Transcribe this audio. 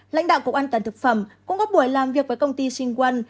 lãnh đạo cục an toàn thực phẩm cũng có buổi làm việc với công ty sinh quân